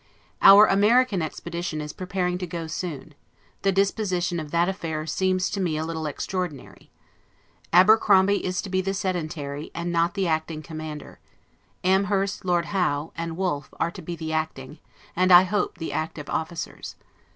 Our American expedition is preparing to go soon; the dis position of that affair seems to me a little extraordinary. Abercrombie is to be the sedantary, and not the acting commander; Amherst, Lord Howe, and Wolfe, are to be the acting, and I hope the active officers.